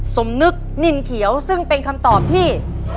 สมนึกนินเขียวซึ่งเป็นคำตอบที่